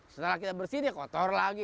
setelah kita bersih dia kotor lagi